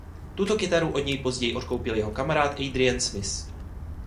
Tuto kytaru od něj později odkoupil jeho kamarád Adrian Smith.